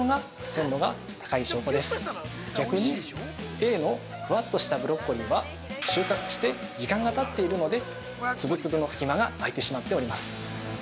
Ａのふわっとしたブロッコリーは収穫して時間がたっているのでツブツブの隙間が空いてしまっております。